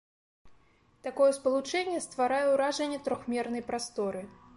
Такое спалучэнне стварае ўражанне трохмернай прасторы.